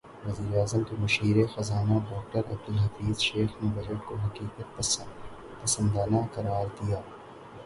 وزیراعظم کے مشیر خزانہ ڈاکٹر عبدالحفیظ شیخ نے بجٹ کو حقیقت پسندانہ قرار دیا